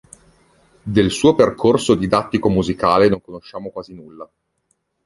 Del suo percorso didattico-musicale non conosciamo quasi nulla.